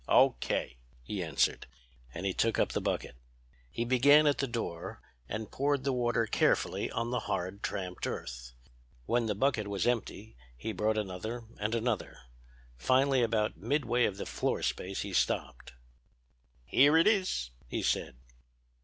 "'O. K.,' he answered, and he took up the bucket. He began at the door and poured the water carefully on the hard tramped earth. When the bucket was empty he brought another and another. Finally about midway of the floor space he stopped. "'Here it is!' he said.